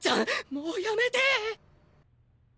もうやめて。